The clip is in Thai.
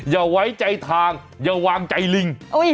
อย่าไว้ใจทางอย่าวางใจลิง